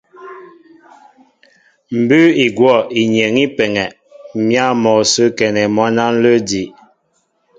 Mbʉ́ʉ́ i gwɔ̂ inyeŋ í peŋɛ m̀yǎ mɔ sə́ a kɛnɛ mwǎn á ǹlə́ edí'.